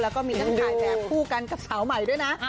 แล้วก็มีทั้งถ่ายแบบคู่กันกับสาวใหม่ด้วยนะ